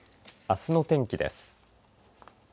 あすの天気です。